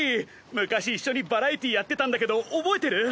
昔一緒にバラエティーやってたんだけど覚えてる？